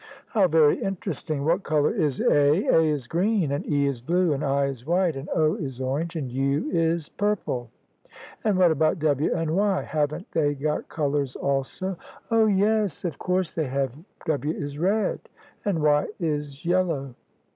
" How very interesting! What colour is A? " "A is green, and E is blue, and I is white, and O is orange, and U is purple." " And what about W and Y? Haven't they got colours also?" "Oh! yes; of course they have. W is red and Y is yeUow."